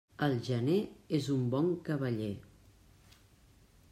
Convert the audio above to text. El gener és un bon cavaller.